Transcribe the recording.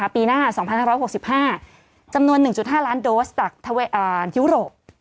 ปีหน้า๒๕๖๕จำนวน๑๕ล้านโดสจากยุโรป